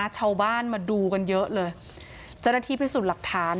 ชาวบ้านมาดูกันเยอะเลยจนที่ให้สูดหลักฐาน